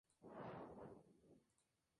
Datos de organización territorial de Honduras